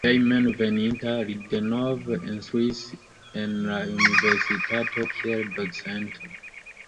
Hejmenveninta li denove instruis en la universitato kiel docento.